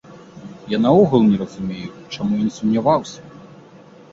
Я наогул не разумею чаму ён сумняваўся?